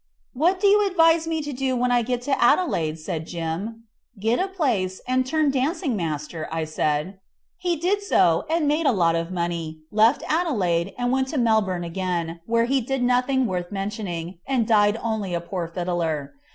"What do you advise me to do when I get to Adelaide?" said Jim. "Get a place, and turn dancing master," said I. And he did so, made a lot of money, left Adelaide and went to Melbourne again, where he did nothing worth mentioning, and died only a poor fiddler.